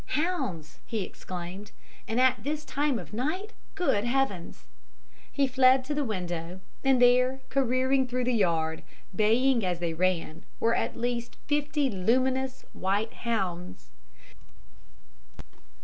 "Hounds!" he exclaimed. "And at this time of night! Good heavens!" He flew to the window, and there, careering through the yard, baying as they ran, were, at least, fifty luminous, white hounds.